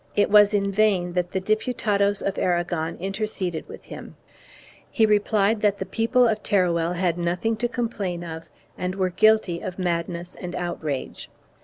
It was in vain that the Diputados of Aragon inter ceded with him; he replied curtly that the people of Teruel had nothing to complain of and were guilty of madness and outrage.